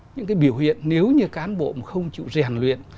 những cái biểu hiện nếu như cán bộ mà không chịu rèn luyện